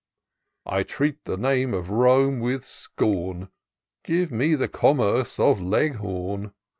I treat the name of Rome with scorn ; Give me the commerce of Leghorn.